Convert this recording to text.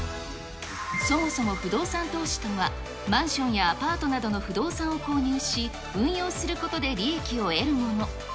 そもそも不動産投資とは、マンションやアパートなどの不動産を購入し、運用することで利益を得るもの。